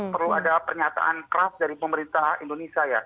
perlu ada pernyataan keras dari pemerintah indonesia ya